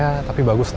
ya tapi bagusnya